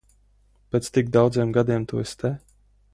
Pēc tik daudziem gadiem tu esi te?